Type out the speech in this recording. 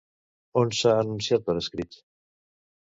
On s'ha anunciat per escrit?